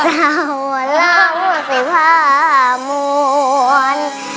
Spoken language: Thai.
เอาล่าบวกสีผ้ามวล